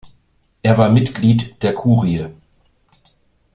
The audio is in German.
Er war Mitglied der Kurie.